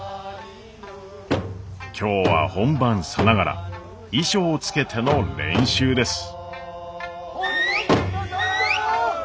今日は本番さながら衣装を着けての練習です。